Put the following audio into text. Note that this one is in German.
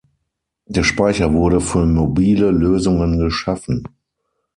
Der Speicher wurde für mobile Lösungen geschaffen.